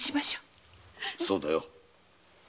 そうだよ。